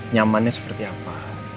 nyamannya seperti apa